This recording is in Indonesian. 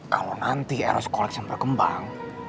kalau nanti eros collection berkembang